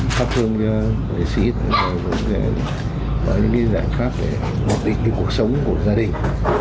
phát thương cho giới sĩ để có những giải pháp để hoạt định cuộc sống của gia đình